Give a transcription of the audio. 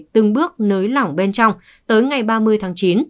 từng bước nới lỏng bên trong tới ngày ba mươi tháng chín